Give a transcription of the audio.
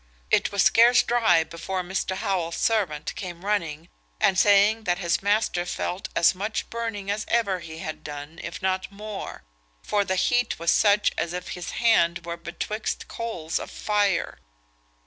It was scarce dry before Mr. Howell's servant came running, and saying that his master felt as much burning as ever he had done, if not more; for the heat was such as if his hand were betwixt coals of fire.